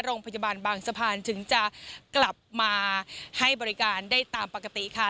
โรงพยาบาลบางสะพานถึงจะกลับมาให้บริการได้ตามปกติค่ะ